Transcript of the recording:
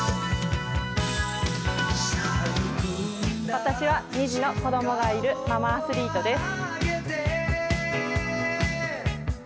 私は２児の子供がいるママアスリートです。